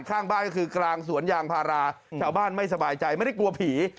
ข้างบ้านก็คือกลางสวนยางพาราชาวบ้านไม่สบายใจไม่ได้กลัวผี